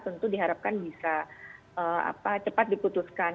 tentu diharapkan bisa cepat diputuskan